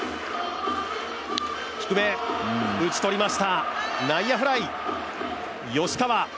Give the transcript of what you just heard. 打ち取りました内野フライ、吉川